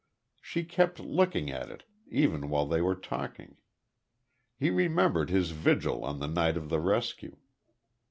She kept looking at it even while they were talking. He remembered his vigil on the night of the rescue.